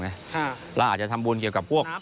เราอาจจะทำบุญเกี่ยวกับพวก